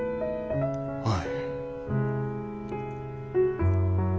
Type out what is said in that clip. はい。